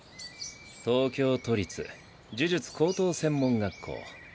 東京都立呪術高等専門学校。